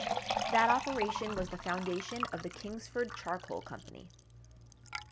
That operation was the foundation of the Kingsford Charcoal company.